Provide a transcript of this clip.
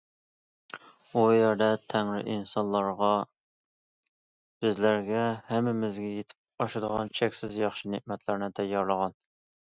ئۇ يەردە تەڭرى ئىنسانلارغا بىزلەرگە ھەممىمىزگە يېتىپ ئاشىدىغان چەكسىز ياخشى نېمەتلەرنى تەييارلىغان.